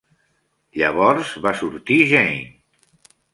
Llavors va sortir Jane.